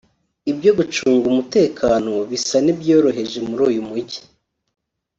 Ibyo gucunga umutekano bisa n’ibyoroheje muri uyu mujyi